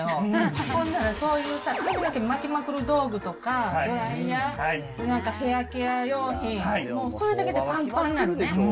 ほんならそういうさ、髪の毛巻きまくる道具とか、ドライヤー、なんかヘアケア用品、それだけでぱんぱんなのね。